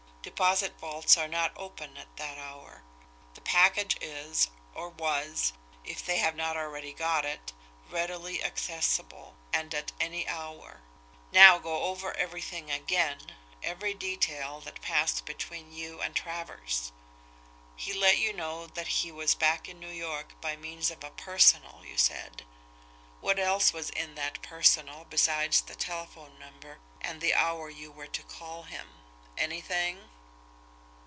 Deposit vaults are not open at that hour. The package is, or was, if they have not already got it, readily accessible and at any hour. Now go over everything again, every detail that passed between you and Travers. He let you know that he was back in New York by means of a 'personal,' you said. What else was in that 'personal' besides the telephone number and the hour you were to call him? Anything?"